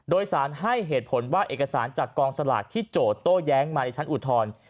โดยสารให้เหตุผลว่าเอกสารจากกองสลากที่โจทย์โต้แย้งมาในชั้นอุทธรณ์